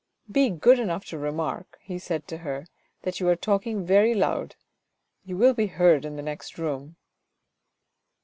" Be good enough to remark," he said to her, " that you are talking very loud. You will be heard in the next room."